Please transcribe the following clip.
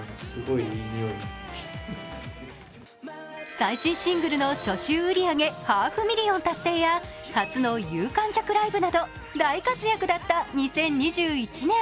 最新シングルの初週売り上げハーフミリオン達成や初の有観客ライブなど大活躍だった２０２１年。